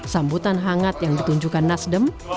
sambutan hangat yang ditunjukkan nasdem